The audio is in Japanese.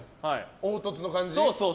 凹凸の感じ？